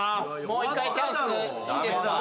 もう一回チャンスいいですか？